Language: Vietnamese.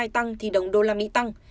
tăng thì đồng đô la mỹ tăng